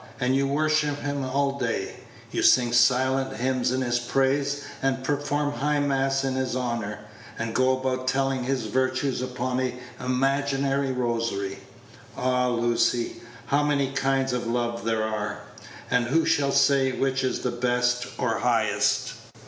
and you worship him all day; you sing silent hymns in his praise, and perform high mass in his honor, and go about telling his virtues upon an imaginary rosary. Ah! Lucy, how many kinds of love there are; and who shall say which is the best or highest?